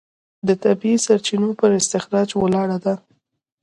د طبیعي سرچینو پر استخراج ولاړه ده.